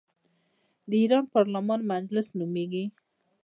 د ایران پارلمان مجلس نومیږي.